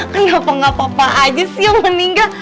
kenapa gak papa aja sih yang meninggal